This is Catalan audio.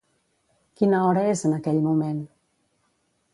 Quina hora és en aquell moment?